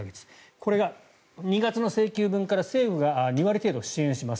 これが２月の請求分から政府が２割程度支援します。